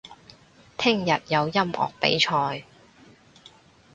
聽日有音樂比賽